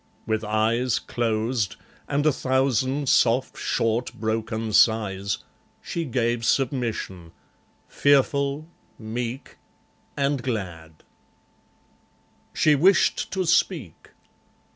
With eyes Closed, and a thousand soft short broken sighs, She gave submission; fearful, meek, and glad. ... She wished to speak.